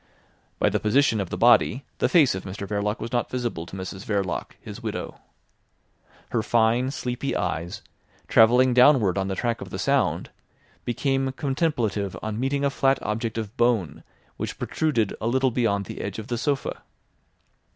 By the position of the body the face of Mr Verloc was not visible to Mrs Verloc, his widow. Her fine, sleepy eyes, travelling downward on the track of the sound, became contemplative on meeting a flat object of bone which protruded a little beyond the edge of the sofa.